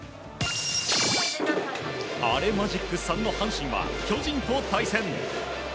アレマジック３の阪神は巨人と対戦。